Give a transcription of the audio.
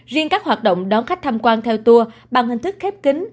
riêng các hoạt động đón khách tham quan theo tour bằng hình thức khép kính